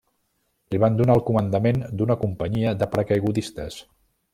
Li van donar el comandament d'una companyia de paracaigudistes.